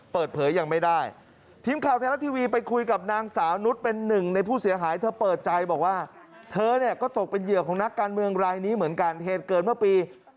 เปิดเผยยังไม่ได้